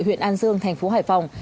huyện an dương thành phố hải phòng